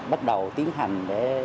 bắt đầu tiến hành